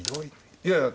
いやいや。